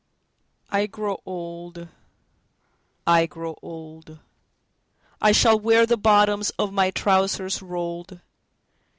I grow old … I grow old …I shall wear the bottoms of my trousers rolled.